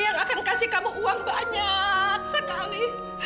yang akan kasih kamu uang banyak sekali